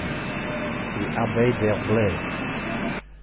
The Abbé D'Herblay.